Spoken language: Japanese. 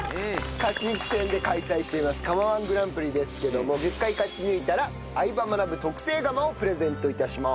勝ち抜き戦で開催しています釜−１グランプリですけども１０回勝ち抜いたら『相葉マナブ』特製釜をプレゼント致します。